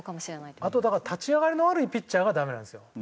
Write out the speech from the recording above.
あと立ち上がりの悪いピッチャーはダメなんですよ。